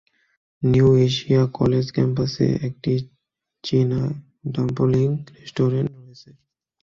New Asia college ক্যাম্পাসে একটি চীনা ডাম্পলিং রেস্টুরেন্ট রয়েছে।